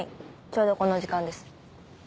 ちょうどこの時間です。